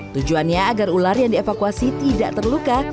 tujuannya agar ular yang dievakuasi tidak terluka